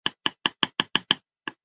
江川崎站的铁路车站。